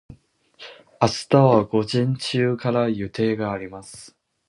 明日は午前中から予定があります。